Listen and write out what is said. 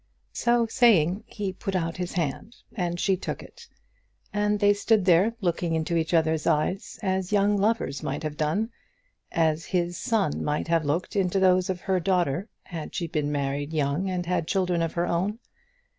So saying he put out his hand, and she took it; and they stood there looking into each other's eyes, as young lovers might have done, as his son might have looked into those of her daughter, had she been married young and had children of her own.